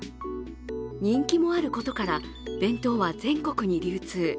人気もあることから弁当は全国に流通。